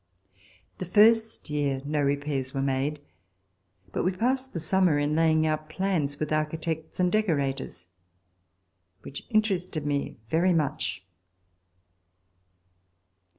The first year no repairs were made, but we passed the summer in laying out plans with architects and decorators, which interested me very much.